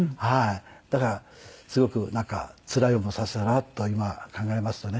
だからすごくなんかつらい思いをさせたなと今考えますとね。